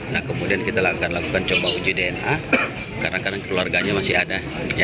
nah kemudian kita akan lakukan coba uji dna kadang kadang keluarganya masih ada